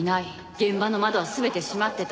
現場の窓は全て閉まってた。